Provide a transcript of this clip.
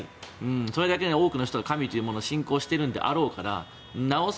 それだけ、多くの人が神というものを信仰しているのであろうからなお更